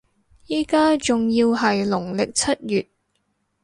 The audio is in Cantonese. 依家仲要係農曆七月